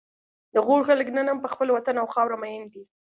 د غور خلک نن هم په خپل وطن او خاوره مین دي